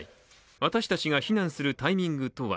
私たちが避難するタイミングとは。